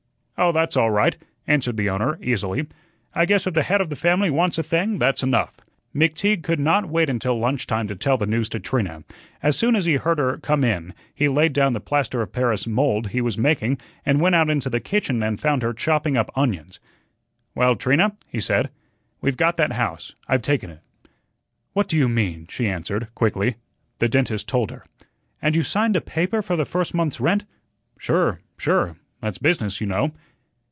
"Oh, that's all right," answered the owner, easily. "I guess if the head of the family wants a thing, that's enough." McTeague could not wait until lunch time to tell the news to Trina. As soon as he heard her come in, he laid down the plaster of paris mould he was making and went out into the kitchen and found her chopping up onions. "Well, Trina," he said, "we got that house. I've taken it." "What do you mean?" she answered, quickly. The dentist told her. "And you signed a paper for the first month's rent?" "Sure, sure. That's business, you know."